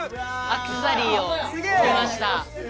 アクセサリーをつけました。